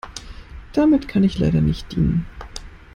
Damit kann ich leider nicht dienen.